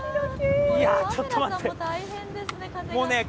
ちょっと待って。